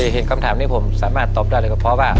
เห็นคำถามนี้ผมสามารถตอบได้เลยก็เพราะว่า